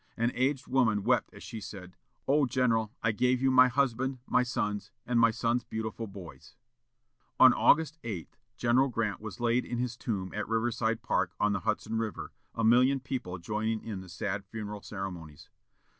An aged woman wept as she said, "Oh! general, I gave you my husband, my sons, and my son's beautiful boys." On August 8, General Grant was laid in his tomb at Riverside Park, on the Hudson River, a million people joining in the sad funeral ceremonies.